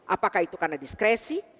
apakah itu karena diskresi